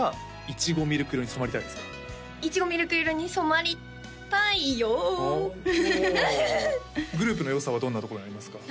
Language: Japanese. いちごみるく色に染まりたいよおおグループのよさはどんなところにありますか？